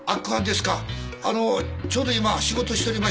あのーちょうど今仕事しておりまして。